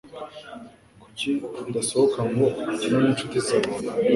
Kuki utasohoka ngo ukine ninshuti zawe?